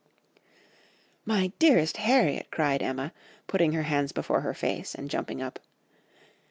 "'My dearest Harriet!' cried Emma, putting her hands before her face, and jumping up